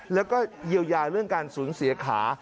แล้วก็เยียวยาเรื่องการสูญเสียขา